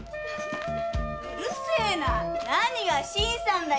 うるせえな何が「新さん」だよ！